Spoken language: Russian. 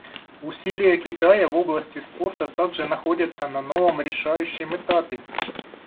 Усилия Китая в области спорта также находятся на новом решающем этапе.